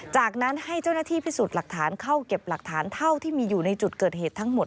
จากนั้นให้เจ้าหน้าที่พิสูจน์หลักฐานเข้าเก็บหลักฐานเท่าที่มีอยู่ในจุดเกิดเหตุทั้งหมด